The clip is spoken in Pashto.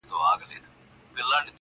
هغه نن بيا د واويلا خاوند دی.